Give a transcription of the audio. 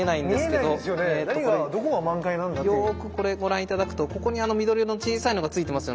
よくこれご覧頂くとここに緑色の小さいのがついてますよね。